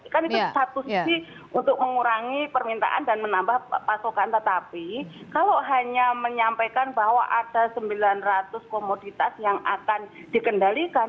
kan itu satu sisi untuk mengurangi permintaan dan menambah pasokan tetapi kalau hanya menyampaikan bahwa ada sembilan ratus komoditas yang akan dikendalikan